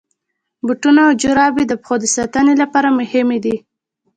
بوټونه او چوټي د پښې ساتني لپاره مهمي دي.